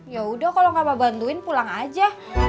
ya udah kalau gak mau bantuin pulang aja